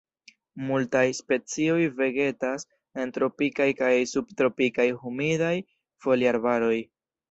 Multaj specioj vegetas en tropikaj kaj subtropikaj humidaj foliarbaroj.